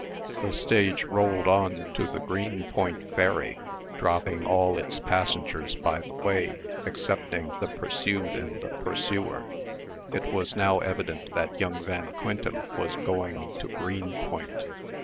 The stage rolled on to the Greenpoint ferry, dropping all its passengers by the way, excepting the pursued and the pursuer. It was now evident that young Van Quintem was going to Greenpoint.